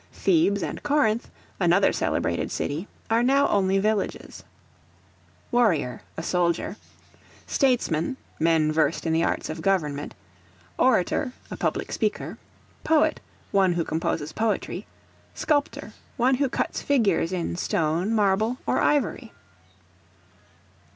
Thebes and Corinth, another celebrated city, are now only villages. Warrior, a soldier. Statesmen, men versed in the arts of government. Orator, a public speaker. Poet, one who composes poetry. Sculptor, one who cuts figures in stone, marble, or ivory.